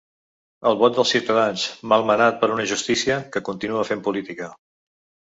El vot dels ciutadans, malmenat per una "justícia" que continua fent política.